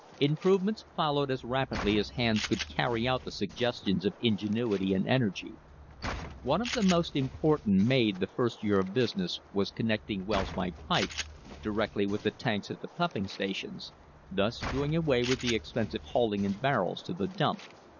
Improvements fol lowed as rapidly as hands could carry out the suggestions of ingenuity and energy. One of the most important made the first year of the business was connecting wells by pipe directly with the tanks at the pumping stations, thus doing away with the expensive hauling in barrels to the "dump."